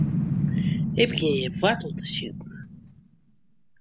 Ik begjin hjir woartel te sjitten.